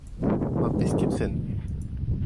ma pesketfent.